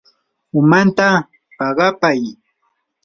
umanta paqapay.